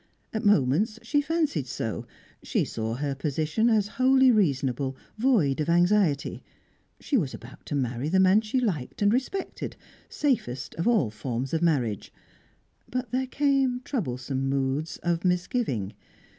At moments she fancied so; she saw her position as wholly reasonable, void of anxiety; she was about to marry the man she liked and respected safest of all forms of marriage. But there came troublesome moods of misgiving.